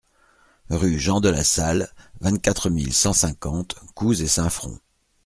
Rue Jean de la Salle, vingt-quatre mille cent cinquante Couze-et-Saint-Front